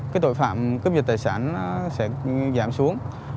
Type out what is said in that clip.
cái tội phạm cướp giật tài sản sẽ giảm xuống